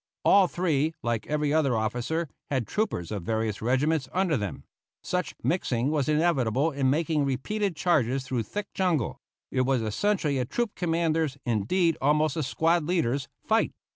All three, like every other officer, had troopers of various regiments under them; such mixing was inevitable in making repeated charges through thick jungle; it was essentially a troop commanders', indeed, almost a squad leaders', fight.